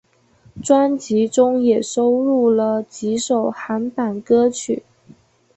专辑中也收录了几首韩版歌曲。